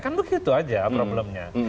kan begitu aja problemnya